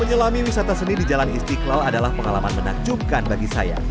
menyelami wisata seni di jalan istiqlal adalah pengalaman menakjubkan bagi saya